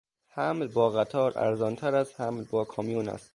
حمل با قطار ارزانتر از حمل با کامیون است.